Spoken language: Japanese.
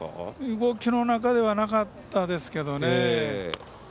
動きの中ではなかったですけどね。